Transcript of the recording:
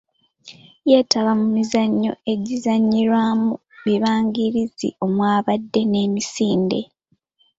Yeetaba mu mizannyo egizannyirwa mu bibangirizi omwabadde n'emisinde.